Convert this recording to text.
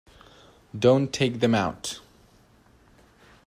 Don't take them out.